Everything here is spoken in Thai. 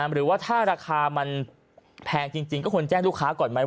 หรือว่าถ้าราคามันแพงจริงก็ควรแจ้งลูกค้าก่อนไหม